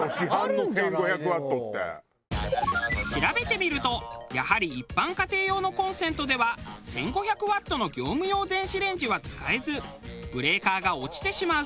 調べてみるとやはり一般家庭用のコンセントでは１５００ワットの業務用電子レンジは使えずブレーカーが落ちてしまうそう。